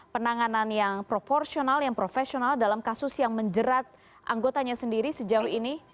penanganan yang proporsional yang profesional dalam kasus yang menjerat anggotanya sendiri sejauh ini